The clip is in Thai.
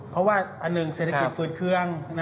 เพราะว่าอันหนึ่งเศรษฐกิจฝืดเครื่อง